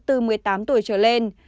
từ một mươi tám tuổi trở lên